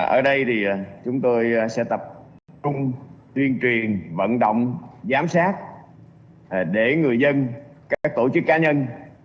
ở đây chúng tôi sẽ tập trung tuyên truyền vận động giám sát để người dân các tổ chức cá nhân